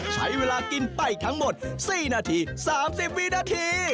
ใช้เวลากินไปทั้งหมด๔นาที๓๐วินาที